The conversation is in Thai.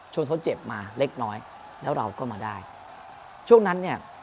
เขาเจ็บมาเล็กน้อยแล้วเราก็มาได้ช่วงนั้นเนี่ย